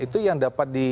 itu yang dapat dinilai